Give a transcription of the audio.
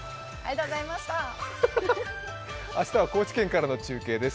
明日は高知県からの中継です